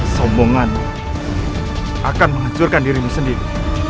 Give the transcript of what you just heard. sombongan akan menghancurkan dirimu sendiri